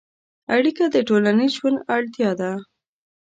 اړیکه د ټولنیز ژوند اړتیا ده.